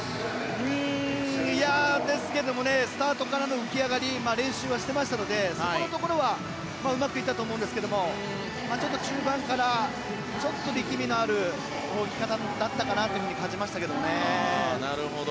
ですけどもスタートからの浮き上がり練習はしていましたのでそこのところはうまくいったと思うんですけどちょっと中盤から力みのある泳ぎ方になったかなと感じましたけどね。